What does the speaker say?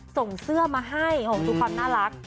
ส่งเสื้อมาให้ทุกคนน่ารัก